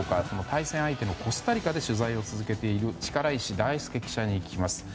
対戦相手のコスタリカで取材を続けている力石大輔記者に聞きます。